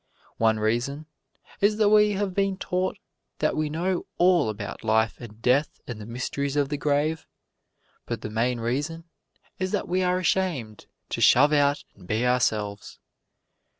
One reason is that we have been taught that we know all about life and death and the mysteries of the grave. But the main reason is that we are ashamed to shove out and be ourselves.